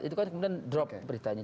itu kan kemudian drop beritanya